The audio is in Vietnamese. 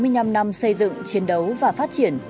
sáu mươi năm năm xây dựng chiến đấu và phát triển